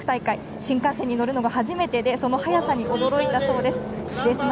新幹線に乗るのも初めてで速さに驚いたほうです。